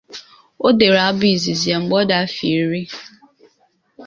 O dere abụ izizi ya mgbe ọ dị afọ iri.